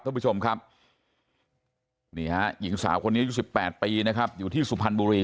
คุณผู้ชมครับหญิงสาวคนนี้๑๘ปีนะครับอยู่ที่สุพรรณบุรี